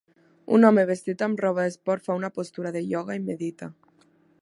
Un home vestit amb roba d'esport fa una postura de ioga i medita.